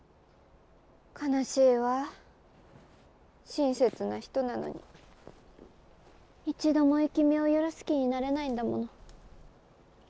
悲しいわ親切な人なのに一度も生き身を許す気になれないんだもの。